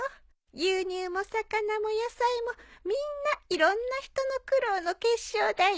牛乳も魚も野菜もみんないろんな人の苦労の結晶だよ。